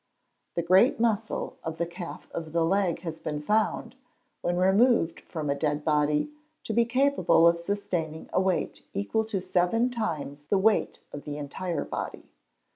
The great muscle of the calf of the leg has been found, when removed from a dead body, to be capable of sustaining a weight equal to seven times the weight of the entire body.